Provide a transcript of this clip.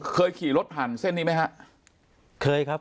เคยขี่รถหั่นเส้นนี้ไหมครับ